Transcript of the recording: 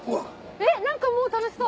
えっ何かもう楽しそう！